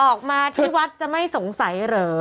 ออกมาที่วัดจะไม่สงสัยเหรอ